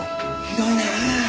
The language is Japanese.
ひどいなぁ。